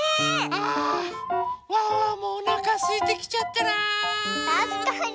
あワンワンもおなかすいてきちゃったな。たしかに。